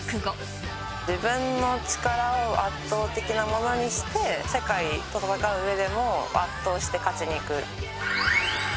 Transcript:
自分の力を圧倒的なものにして世界と戦う上でも圧倒して勝ちにいく。